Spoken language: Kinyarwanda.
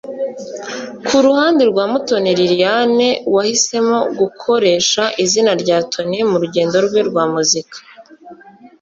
Ku ruhande rwa Umutoni Liliane wahisemo gukoresha izina rya Tony mu rugendo rwe rwa muzika